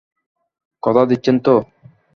কথা দিচ্ছেন তো?